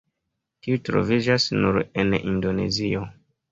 Tiu troviĝas nur en Indonezio.